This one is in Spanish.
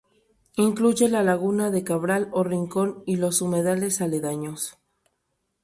Incluye la laguna de Cabral o Rincón y los humedales aledaños.